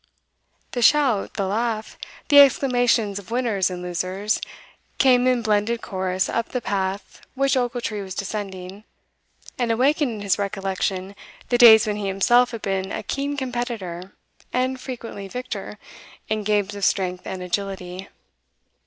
The shout, the laugh, the exclamations of winners and losers, came in blended chorus up the path which Ochiltree was descending, and awakened in his recollection the days when he himself had been a keen competitor, and frequently victor, in games of strength and agility.